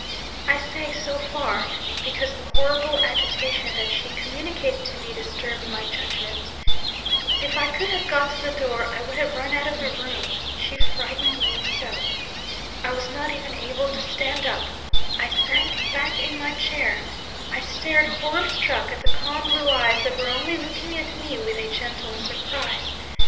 I say, "so far," because the horrible agitation that she communicated to me disturbed my judgment. If I could have got to the door, I would have run out of the room, she frightened me so! I was not even able to stand up I sank back in my chair; I stared horror struck at the calm blue eyes that were only looking at me with a gentle surprise.